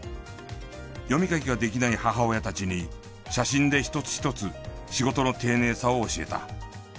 読み書きができない母親たちに写真で一つ一つ仕事の丁寧さを教えた。